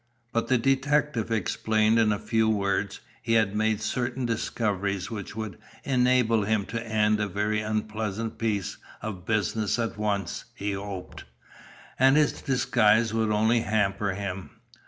But the detective explained in a few words. He had made certain discoveries which would enable him to end a very unpleasant piece of business at once, he hoped. And his disguise would only hamper him.